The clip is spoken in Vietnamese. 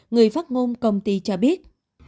người phát ngôn công ty cho biết